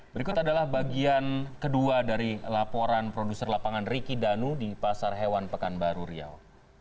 berikut adalah bagian kedua dari laporan produser lapangan riki danu di pasar hewan pekanbaru riau